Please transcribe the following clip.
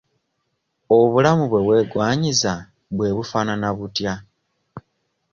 Obulamu bwe weegwaniza bwe bufaanana butya?